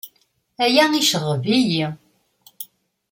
Aya iceɣɣeb-iyi.